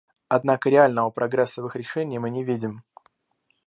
Однако реального прогресса в их решении мы не видим.